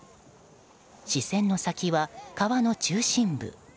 視線の先は川の中心部。